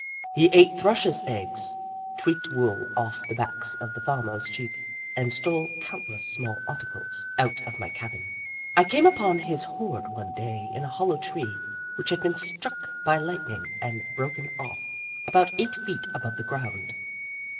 He ate Thrushes' eggs, tweaked wool off the backs of the farmers' Sheep, and stole count less small articles out of my cabin. 126 The Book of Clever Beasts I came upon his hoard one day in a hollow tree which had been struck by lightning and broken off about eight feet above the ground.